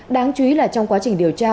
đáng chú ý là trong quá trình điều tra